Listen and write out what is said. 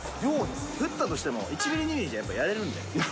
降ったとしても、１ミリ２ミリじゃやっぱりやれるんで。